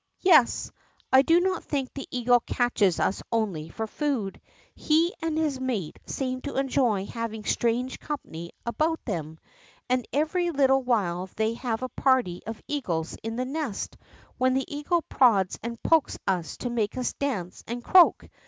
'^ Yes ; I do not think the eagle catches us only for food. He and his mate seem to enjoy having strange company about them. And every little while they have a party of eagles in the nest, when the eagle prods and pokes us to make us dance and croak.